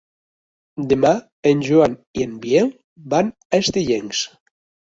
Demà en Joan i en Biel van a Estellencs.